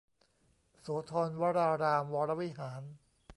โสธรวรารามวรวิหาร